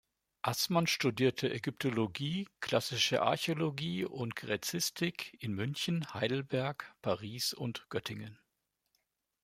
Assmann studierte Ägyptologie, Klassische Archäologie und Gräzistik in München, Heidelberg, Paris und Göttingen.